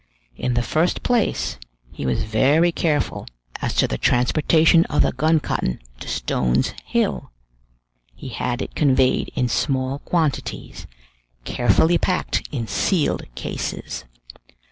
In the first place, he was very careful as to the transportation of the gun cotton to Stones Hill. He had it conveyed in small quantities, carefully packed in sealed cases.